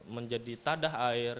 menjadi tadah air